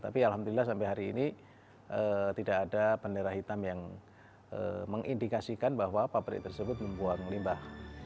tapi alhamdulillah sampai hari ini tidak ada bendera hitam yang mengindikasikan bahwa pabrik tersebut membuang limbah